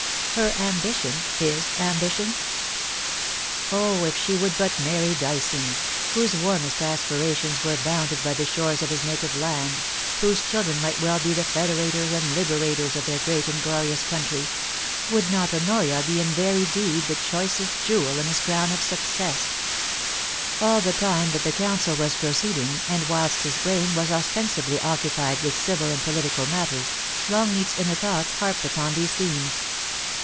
her ambition his ambition ? Oh, if she would but marry Dyson, whose warmest aspirations were bounded by the shores of his native land, whose chil THE ^DIAMONDS. 29s dren might well be the federators and liberators of their great and glorious country, would not Honoria be in very deed the choicest jewel in his crown of success ! All the time that the Council was proceeding, and whilst his brain was ostensibly occupied with civil and political matters, Longleat's inner thoughts harped upon these themes.